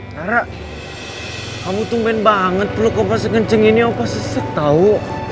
tara kamu tuh main banget peluk opa sekenceng ini opa sesek tau